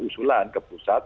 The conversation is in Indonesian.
usulan ke pusat